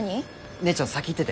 姉ちゃん先行ってて。